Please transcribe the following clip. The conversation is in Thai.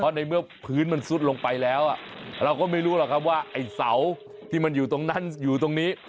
ในเมื่อพื้นมันซุดลงไปแล้วเราก็ไม่รู้หรอกครับว่าไอ้เสาที่มันอยู่ตรงนั้นอยู่ตรงนี้